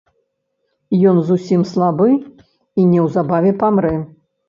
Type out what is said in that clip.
Ён зусім слабы і неўзабаве памрэ.